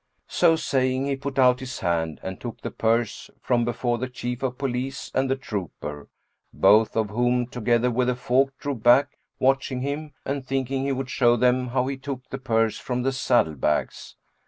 So saying, he put out his hand and took the purse from before the Chief of Police and the trooper, both of whom, together with the folk, drew back watching him and thinking he would show them how he took the purse from the saddle bags.